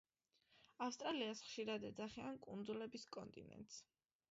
ავსტრალიას ხშირად ეძახიან კუნძულების კონტინენტს.